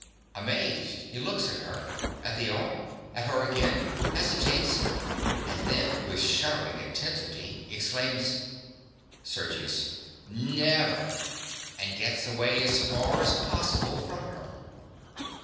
Amazed, he looks at her; at the arm; at her again; hesitates; and then, with shuddering intensity, exclaims_) SERGIUS. Never! (_and gets away as far as possible from her.